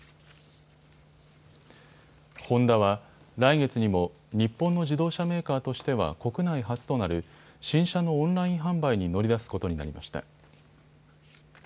ホンダは来月にも日本の自動車メーカーとしては国内初となる新車のオンライン販売に乗り出すことになりました。